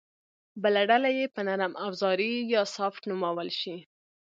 بله ډله یې به نرم اوزاري یا سافټ نومول شي